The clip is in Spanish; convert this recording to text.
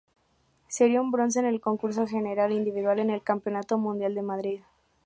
Sería un bronce en el concurso general individual en el Campeonato Mundial de Madrid.